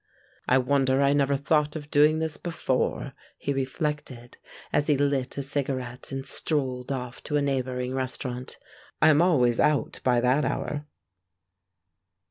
"I wonder I never thought of doing this before," he reflected, as he lit a cigarette and strolled off to a neighboring restaurant; "I am always out by that hour."